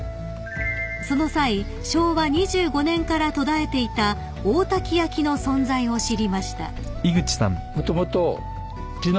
［その際昭和２５年から途絶えていた大多喜焼の存在を知りました］